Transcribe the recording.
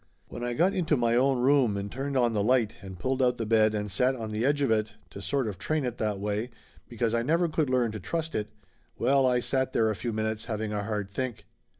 When I got into my own room and turned on the light and pulled out the bed and sat on the edge of it, to sort of train it that way, because I never could learn to trust it, well, I sat there a few minutes having a hard think.